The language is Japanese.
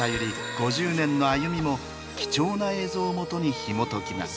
５０年のあゆみも貴重な映像をもとにひもときます。